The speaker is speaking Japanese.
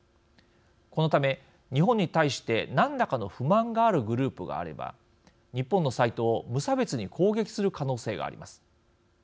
このため日本に対して何らかの不満があるグループがあれば日本のサイトを無差別に攻撃する可能性があります。